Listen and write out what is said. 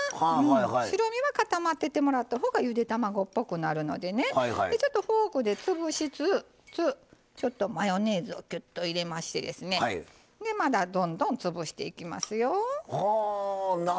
白身は固まっててもらったほうがゆで卵っぽくなるのでフォークで潰しつつマヨネーズをぎゅっと入れましてまたどんどん潰していきますよ。